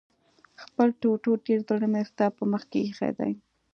خپل ټوټې ټوټې زړه مې ستا په مخ کې ايښی دی